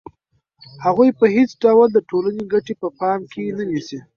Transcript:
هغوی په هېڅ ډول د ټولنې ګټې په پام کې نه نیسي